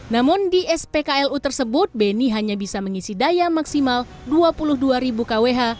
namun di spklu tersebut beni hanya bisa mengisi daya maksimal dua puluh dua ribu kwh